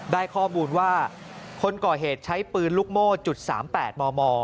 ได้ข้อมูลว่าคนก่อเหตุใช้ปืนลูกโม่จุด๓๘มม